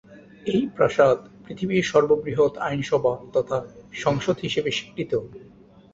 এই প্রাসাদ পৃথিবীর সর্ববৃহৎ আইনসভা তথা সংসদ হিসেবে স্বীকৃত।